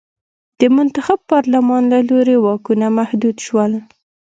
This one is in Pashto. د منتخب پارلمان له لوري واکونه محدود شول.